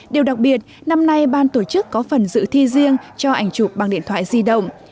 điều đặc biệt năm nay ban tổ chức có phần dự thi riêng cho ảnh chụp bằng điện thoại di động